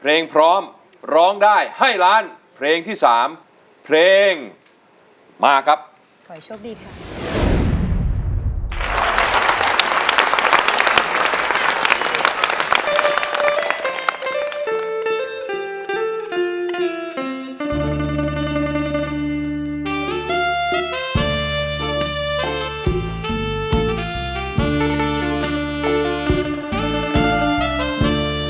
เพลงพร้อมร้องได้ให้ล้านเพลงที่สามเพลงมาครับขอโชคดีค่ะ